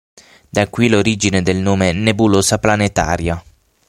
Da qui l'origine del nome nebulosa planetaria.